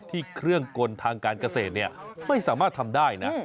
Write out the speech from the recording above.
ที่เครื่องกลทางการเกษตรไม่สามารถทำได้นะ